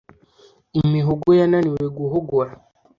Imihogo yananiwe guhogora